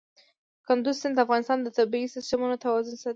کندز سیند د افغانستان د طبعي سیسټم توازن ساتي.